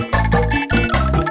kalau tidak kecil